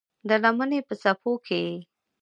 د لمنې په څپو کې یې